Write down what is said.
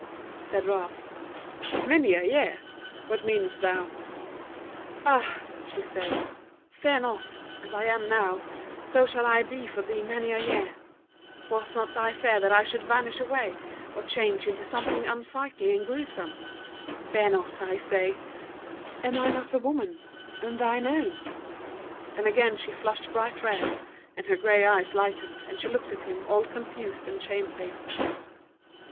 Said Ralph: "Many a year! what meanest thou?" "Ah!" she said, "fear not! as I am now, so shall I be for thee many a year. Was not thy fear that I should vanish away or change into something unsightly and gruesome? Fear not, I say; am I not a woman, and thine own?" And again she flushed bright red, and her grey eyes lightened, and she looked at him all confused and shamefaced.